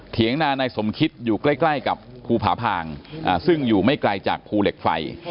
นานายสมคิดอยู่ใกล้กับภูผาพางซึ่งอยู่ไม่ไกลจากภูเหล็กไฟ